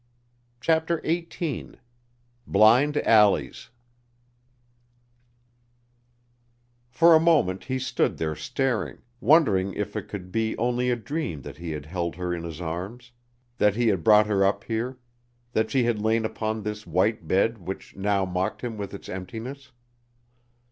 CHAPTER XVIII Blind Alleys For a moment he stood there staring, wondering if it could be only a dream that he had held her in his arms, that he had brought her up here, that she had lain upon this white bed which now mocked him with its emptiness.